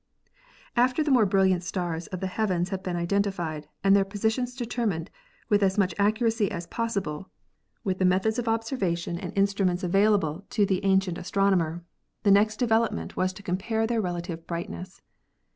After the more brilliant stars of the heavens had been identified and their positions determined with as much accuracy as possible with the methods of observation and 274 ASTRONOMY instruments available to the ancient astronomer, the next development was to compare their relative brightness.